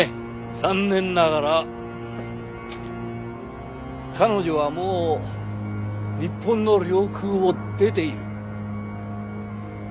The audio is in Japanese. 残念ながら彼女はもう日本の領空を出ている。